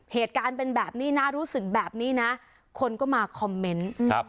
เหตุการณ์เป็นแบบนี้นะรู้สึกแบบนี้นะคนก็มาคอมเมนต์ครับ